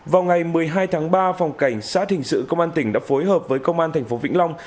vào ngày một mươi hai tháng ba phòng cảnh sát hình sự công an tỉnh đã phối hợp với công an thành phố vĩnh long